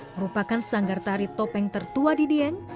merupakan sanggar tari topeng tertua di dieng